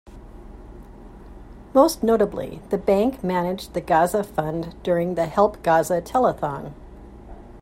Most notably, the Bank managed the Gaza Fund during the Help Gaza Telethon.